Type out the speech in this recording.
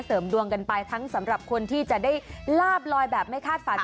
เสริมดวงกันไปทั้งสำหรับคนที่จะได้ลาบลอยแบบไม่คาดฝัน